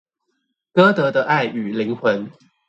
歌德的愛與靈魂